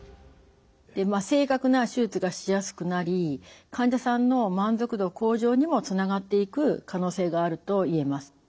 で正確な手術がしやすくなり患者さんの満足度向上にもつながっていく可能性があると言えます。